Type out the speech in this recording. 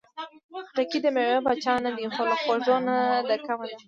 خټکی د مېوې پاچا نه ده، خو له خوږو نه ده کمه.